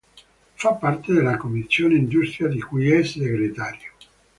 Fa parte della Commissione Industria di cui è segretario.